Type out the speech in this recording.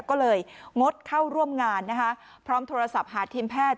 ก็เลยงดเข้าร่วมงานนะคะพร้อมโทรศัพท์หาทีมแพทย์